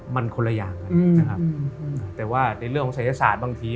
มันคนละอย่างครับแต่ว่าในเรื่องศัษฐศาสตร์บางที